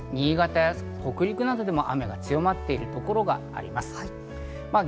こちら新潟や北陸でも雨が強まっているところがあります。